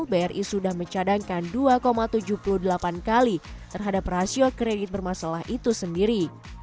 bri sudah mencadangkan dua tujuh puluh delapan kali terhadap rasio kredit bermasalah itu sendiri